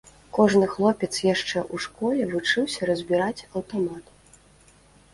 Кожны хлопец яшчэ ў школе вучыўся разбіраць аўтамат.